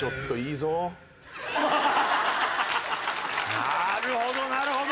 なるほどなるほど！